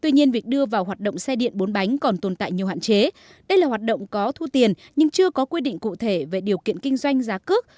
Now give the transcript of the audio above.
nhiều hạn chế đây là hoạt động có thu tiền nhưng chưa có quy định cụ thể về điều kiện kinh doanh giá cước